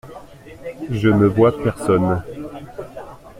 Je ne vois personne.